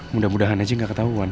mudah mudahan aja nggak ketahuan